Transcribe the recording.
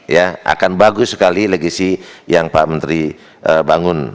ya akan bagus sekali legasi yang pak menteri bangun